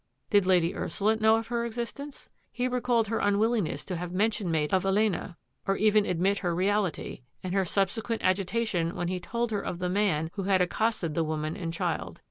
Did Lady Ursula know of her existence? He recalled her unwillingness to have mention made of Elena, or even to admit her reality, and her subse quent agitation when he told her of the man who had accosted the woman and child.